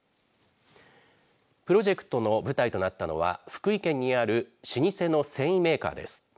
プロジェクトの舞台となったのは福井県にある老舗の繊維メーカーです。